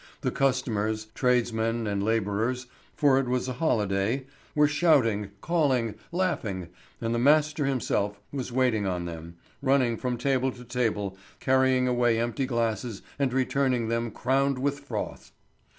The customers, tradesmen, and labourers, for it was a holiday, were shouting, calling, laughing, and the master himself was waiting on them, running from table to table, carrying away empty glasses and returning them crowned with froth.